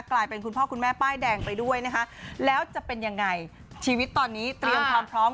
กลายเป็นคุณพ่อคุณแม่ป้ายแดงไปด้วยนะคะแล้วจะเป็นยังไงชีวิตตอนนี้เตรียมความพร้อม